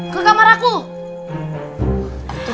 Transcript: ke kamar aku